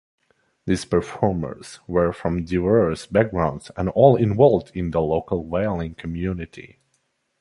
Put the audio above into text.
These performers were from diverse backgrounds and all involved in the local whaling community.